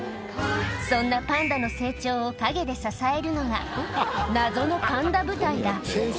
そんなパンダの成長を陰で支えるのが、謎のパンダ部隊だ。